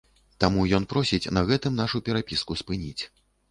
Таму ён просіць на гэтым нашу перапіску спыніць.